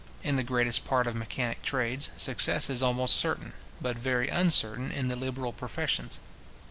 In the greatest part of mechanic trades success is almost certain; but very uncertain in the liberal professions.